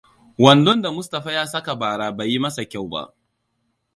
Wandon da Mustapha ya saka bara bai yi masa kyau ba.